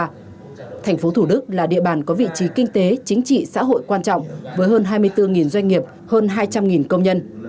thành phố thủ đức là địa bàn có vị trí kinh tế chính trị xã hội quan trọng với hơn hai mươi bốn doanh nghiệp hơn hai trăm linh công nhân